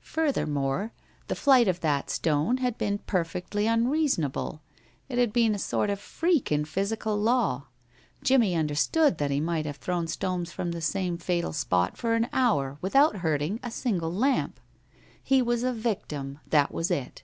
Furthermore, the flight of that stone had been perfectly unreasonable. It had been a sort of freak in physical law. Jimmie understood that he might have thrown stones from the same fatal spot for an hour without hurting a single lamp. He was a victim that was it.